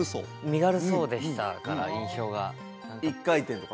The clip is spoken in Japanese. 身軽そうでしたから印象が１回転とか？